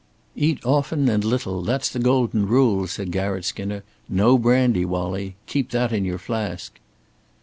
"Eat often and little. That's the golden rule," said Garratt Skinner. "No brandy, Wallie. Keep that in your flask!"